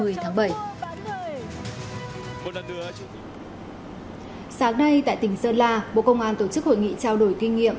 sáng nay tại tỉnh sơn la bộ công an tổ chức hội nghị trao đổi kinh nghiệm